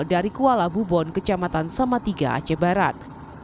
kedua di kuala bumbun kecamatan samatiga aceh barat